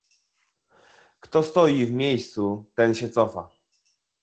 Kto stoi w miejscu, ten się cofa